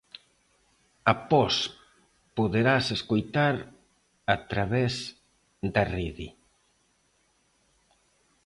Após poderase escoitar a través da rede.